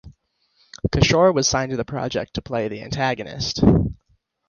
Kishore was signed to the project to play the antagonist.